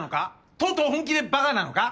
とうとう本気でバカなのか？